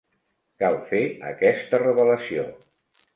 Cal fer aquesta revelació.